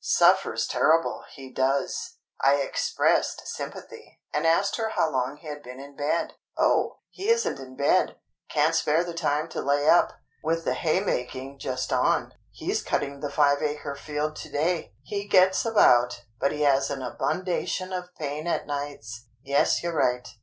Suffers terrible, he does." I expressed sympathy, and asked how long he had been in bed. "Oh, he isn't in bed; can't spare the time to lay up, with the haymaking just on. He's cutting the five acre field to day. He gets about, but he has an abundation of pain at nights. Yes, you're right.